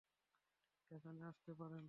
এখানে আসতে পারেন।